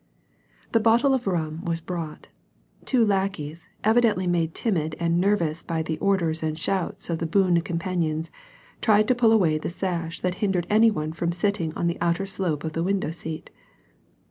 The bottle of rum was brought. Two lackeys, evidently made timid and nervous by the orders and shouts of the boon companions, tried to pull away the sash that hindered any one from sitting on the outer slope of the window seat.